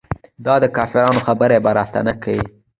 دا دکفارو خبرې به نه راته کيې.